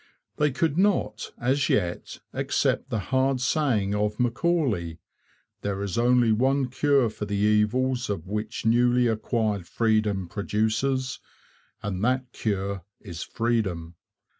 They could not, as yet, accept the hard saying of Macaulay: 'There is only one cure for the evils which newly acquired freedom produces, and that cure is freedom.'